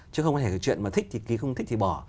chứ không có thể cái chuyện mà thích thì ký không thích thì bỏ